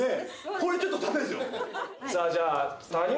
これちょっと駄目ですよ！